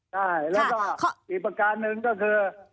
ใช่แล้วก็อีกประการหนึ่งก็คือ